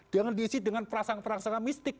jangan diisi dengan prasangka prasangka mistik